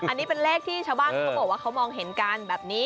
อันนี้เป็นเลขที่ชาวบ้านเขาบอกว่าเขามองเห็นกันแบบนี้